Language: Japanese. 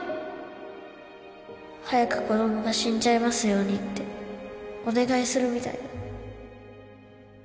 早く子供が死んじゃいますようにってお願いするみたいだ